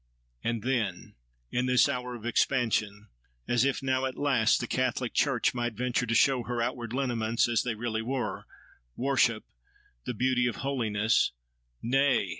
And then, in this hour of expansion, as if now at last the catholic church might venture to show her outward lineaments as they really were, worship—"the beauty of holiness," nay!